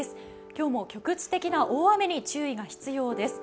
今日も局地的な大雨に注意が必要です。